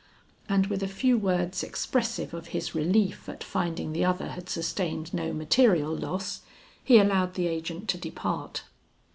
And with a few words expressive of his relief at finding the other had sustained no material loss, he allowed the agent to depart.